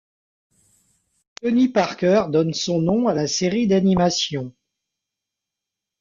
Tony Parker donne son nom à la série d'animation.